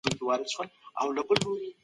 قدرت ته په رسیدو سره هیڅکله مغرور مه کیږه.